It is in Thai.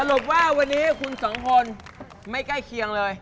สรุปว่าวันนี้คุณสองคนไม่ใกล้เคียงเลย